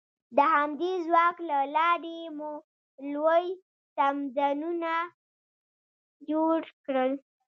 د همدې ځواک له لارې مو لوی تمدنونه جوړ کړل.